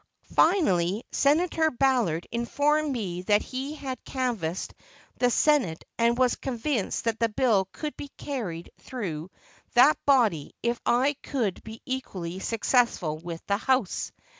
Finally, Senator Ballard informed me that he had canvassed the Senate and was convinced that the bill could be carried through that body if I could be equally successful with the house.